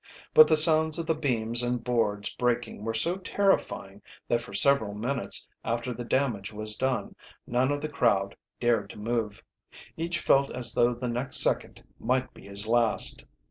But the sounds of the beams and boards breaking were so terrifying that for several minutes after the damage was done none of the crowd dared to move. Each felt as though the next second might be his last.